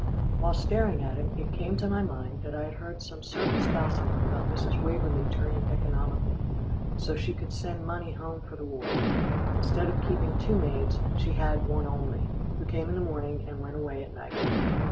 While staring at him, it came to my mind that I had heard some servants' gossip about Mrs. Waverlee turning economical, so she could send money home for the war. Instead of keeping two maids, she had one only, who came in the morning, and went away at night.